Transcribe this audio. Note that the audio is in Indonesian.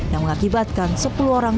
yang mengakibatkan sepuluh orang